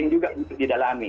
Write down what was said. yang juga muncul didalami